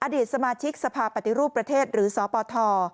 อดีตสมาชิกสภาปฏิรูปประเทศหรือสปท